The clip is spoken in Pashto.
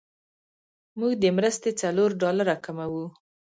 موږ د مرستې څلور ډالره کموو.